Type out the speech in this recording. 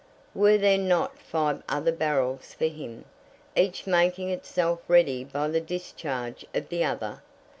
Were there not five other barrels for him, each making itself ready by the discharge of the other?